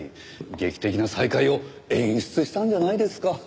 劇的な再会を演出したんじゃないですか。